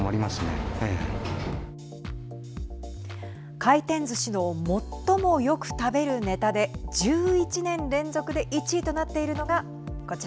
回転ずしの最もよく食べるネタで１１年連続で１位となっているのがこちら。